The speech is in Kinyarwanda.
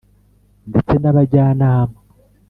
ndetse n’ abajyanama